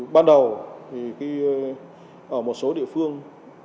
ban đầu ở một số địa phương